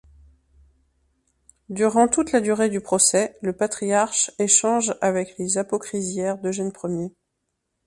Durant toute la durée du procès, le patriarche échange avec les apocrisiaires d'Eugène Ier.